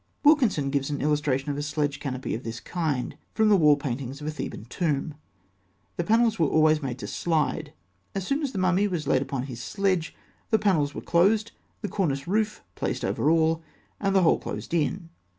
Wilkinson gives an illustration of a sledge canopy of this kind, from the wall paintings of a Theban tomb (fig. 267). The panels were always made to slide. As soon as the mummy was laid upon his sledge, the panels were closed, the corniced roof placed over all, and the whole closed in.